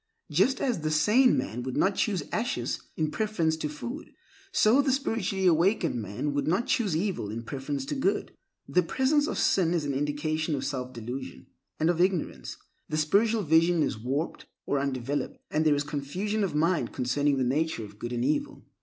Just as the sane man would not choose ashes in preference to food, so the spiritually awakened man would not choose evil in preference to good. The presence of sin is an indication of self delusion and of ignorance; the spiritual vision is warped or undeveloped, and there is confusion of mind concerning the nature of good and evil.